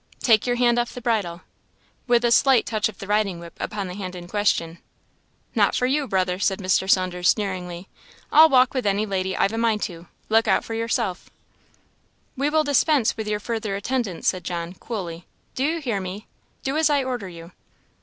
"Take your hand off the bridle!" with a slight touch of the riding whip upon the hand in question. "Not for you, brother," said Mr. Saunders, sneeringly; "I'll walk with any lady I've a mind to. Look out for yourself!" "We will dispense with your further attendance," said John, coolly. "Do you hear me? do as I order you!"